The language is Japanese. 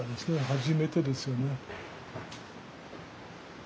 初めてですよね。